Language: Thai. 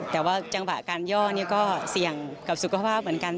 แต่ว่าจังหวะการย่อนี่ก็เสี่ยงกับสุขภาพเหมือนกัน